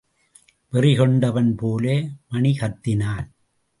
வெறி கொண்டவன் போல மணி கத்தினான்.